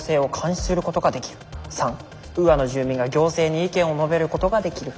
３ウーアの住民が行政に意見を述べることができる。